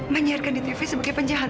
menyiarkan di tv sebagai penjahat